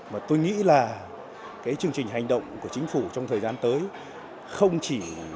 và doanh nghiệp để tạo nên